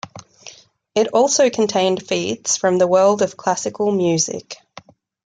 It also contained feats from the world of classical music.